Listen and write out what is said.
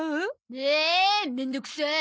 ええめんどくさい。